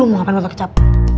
lo mau ngapain botol kecap